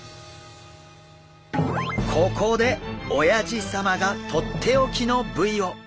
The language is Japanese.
ここでおやじ様がとっておきの部位を！